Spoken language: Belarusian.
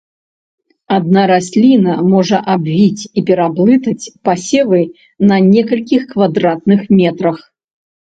Адна расліна можа абвіць і пераблытаць пасевы на некалькіх квадратных метрах.